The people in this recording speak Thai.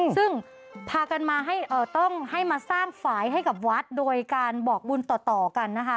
ซึ่งพากันมาให้ต้องให้มาสร้างฝ่ายให้กับวัดโดยการบอกบุญต่อกันนะคะ